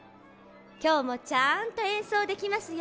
今日もちゃんとえんそうできますように。